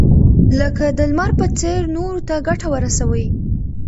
لکه د لمر په څېر نورو ته ګټه ورسوئ.